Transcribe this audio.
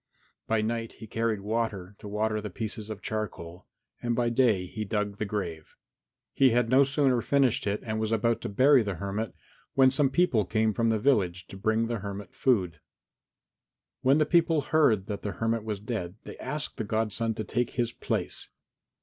By night he carried water to water the pieces of charcoal, and by day he dug the grave. He had no sooner finished it and was about to bury the hermit, when some people came from the village to bring the hermit food. When the people heard that the hermit was dead they asked the godson to take his place.